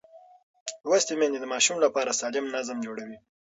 لوستې میندې د ماشوم لپاره سالم نظم جوړوي.